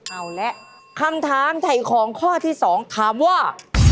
เอาแล้วคำถามถ่ายของข้อที่สองถามว่า